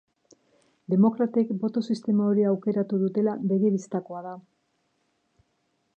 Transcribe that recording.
Demokratek boto sistema hori aukeratu dutela begi-bistakoa da.